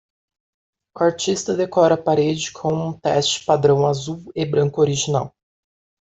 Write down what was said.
O artista decora a parede com um teste padrão azul e branco original.